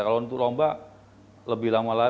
kalau untuk lomba lebih lama lagi